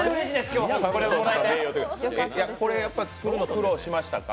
これ作るの苦労しましたか？